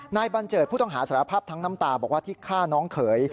บันเจิดผู้ต้องหาสารภาพทั้งน้ำตาบอกว่าที่ฆ่าน้องเขย